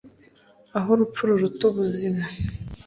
Aho urupfu ruruta ubuzima